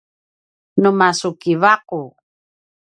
nu masukiva’u